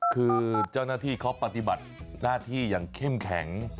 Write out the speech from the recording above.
คือเจ้าหน้าที่เขาปฏิบัติหน้าที่อย่างเข้มแข็ง